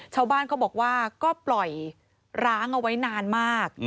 ชาวบ้านเขาบอกว่าก็ปล่อยร้างเอาไว้นานมาก